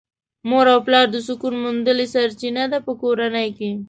مور او پلار د سکون موندلې سرچينه ده په کورنۍ کې .